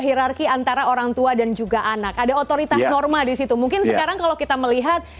hirarki antara orang tua dan juga anak ada otoritas norma disitu mungkin sekarang kalau kita melihat